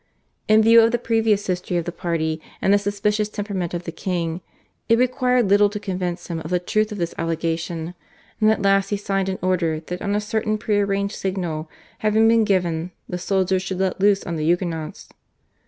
In view of the previous history of the party and the suspicious temperament of the king, it required little to convince him of the truth of this allegation, and at last he signed an order that on a certain pre arranged signal having been given the soldiers should let loose on the Huguenots.